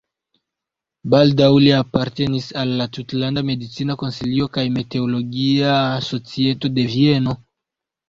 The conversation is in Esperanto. Baldaŭ li apartenis al la tutlanda medicina konsilio kaj meteologia societo de Vieno.